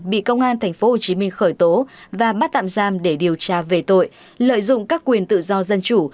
bị công an tp hcm khởi tố và bắt tạm giam để điều tra về tội lợi dụng các quyền tự do dân chủ